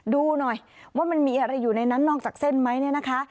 ดูหน่อยว่ามันมีอะไรอยู่ในนั้นนอกจากเส้นไหมเนี่ยนะคะ